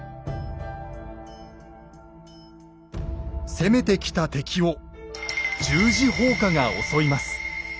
攻めてきた敵を十字砲火が襲います。